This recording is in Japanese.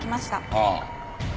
ああ。